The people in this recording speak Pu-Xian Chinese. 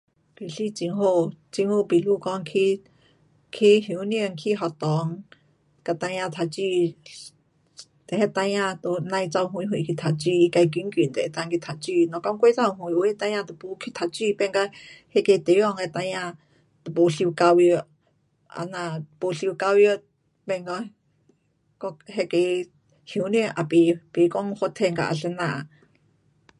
其实很好，政府比如讲去，去乡村起学堂给孩儿读书，那孩儿都甭跑远远去读书。自近近就能够去读书。若讲过头远，有的孩儿都没去读书，变嘎那个地方的孩儿都没受教育。这样没受教育变讲我那个乡村也不，不讲发展到啊怎样。